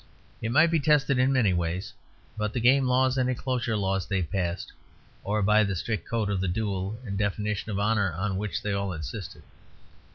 It might be tested in many ways: by the game laws and enclosure laws they passed, or by the strict code of the duel and the definition of honour on which they all insisted.